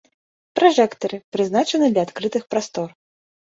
Пражэктары, прызначаны для адкрытых прастор.